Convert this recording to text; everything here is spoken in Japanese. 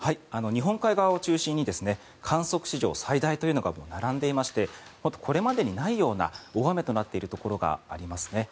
日本海側を中心に観測史上最大というのが並んでいましてこれまでにないような大雨となっているところがありますね。